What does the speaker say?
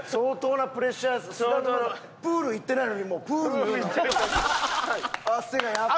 菅沼プール行ってないのにもうプールのような汗がやっぱり。